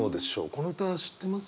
この歌知ってます？